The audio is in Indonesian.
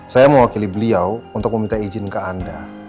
saya mewakili beliau untuk meminta izin ke anda